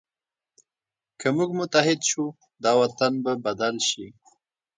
که موږ متحد شو، دا وطن به بدل شي.